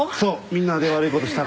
みんなで悪いことした。